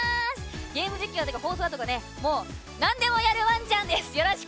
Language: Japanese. ゲーム実況とか放送とかもうなんでもやるわんちゃんです。